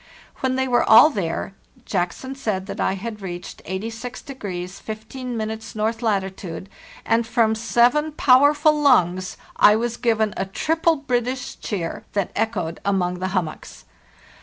When they were all there, Jackson said that I had reached 86° 15° north latitude, and from seven powerful lungs I was given a triple British cheer that echoed among the hummocks.